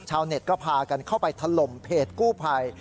เน็ตก็พากันเข้าไปถล่มเพจกู้ภัย